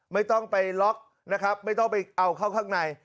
ไม่ต้องไปล็อกนะครับไม่ต้องไปเอาเข้าข้างใน